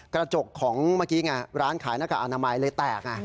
กระจกของเมื่อกี้ไงร้านขายหน้ากากอนามัยเลยแตกไง